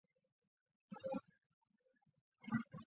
学院拥有海洋工程国家重点实验室。